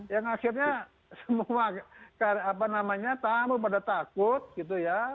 yang akhirnya semua tamu pada takut gitu ya